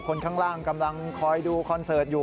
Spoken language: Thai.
คนข้างล่างกำลังคอยดูคอนเสิร์ตอยู่